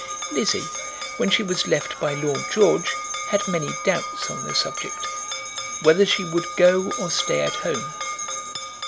Lizzie, when she was left by Lord George, had many doubts on the subject, whether she would go or stay at home.